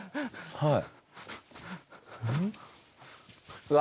はい。